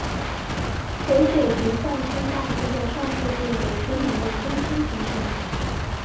北雪平校区大致在上世纪九十年代中期形成。